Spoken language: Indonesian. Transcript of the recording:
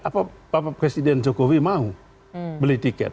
apa presiden jokowi mau beli tiket